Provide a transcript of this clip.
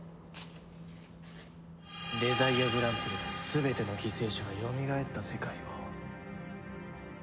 デザイアグランプリの全ての犠牲者が蘇った世界を。